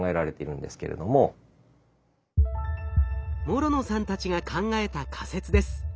諸野さんたちが考えた仮説です。